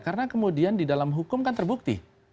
karena kemudian di dalam hukum kan terbukti